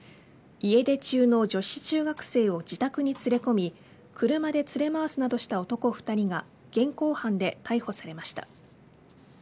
家出中の女子中学生を自宅に連れ込み車で連れ回すなどした男２人が現行犯で逮捕されました。